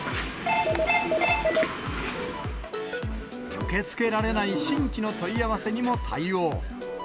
受け付けられない新規の問い合わせにも対応。